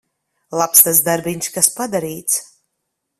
Labs tas darbiņš, kas padarīts.